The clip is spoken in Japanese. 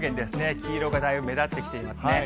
黄色がだいぶ目立ってきていますね。